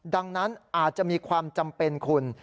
ดังนั้นอาจจะมีความจำเป็นคุณ